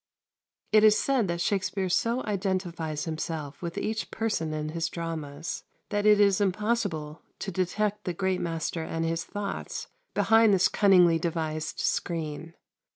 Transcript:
It is said that Shakspere so identifies himself with each person in his dramas, that it is impossible to detect the great master and his thoughts behind this cunningly devised screen.